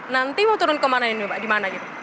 nanti mau turun kemana ini mbak di mana gitu